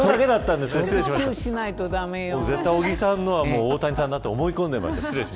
絶対、尾木さんのは大谷さんと思い込んでました。